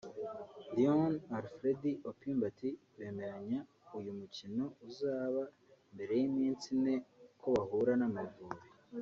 Léon Alfred Opimbat bemeranya uyu mukino uzaba mbere y’iminsi ine ko bahura n’Amavubi